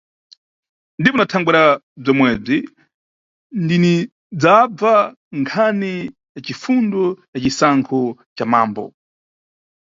Ndipo na thangwera bzomwebzi tinidzabva nkhani ya cifundo ya cisankho ca mambo.